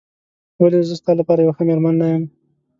ولې زه ستا لپاره یوه ښه مېرمن نه یم؟